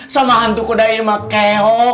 sama hantu kuda yang mah keok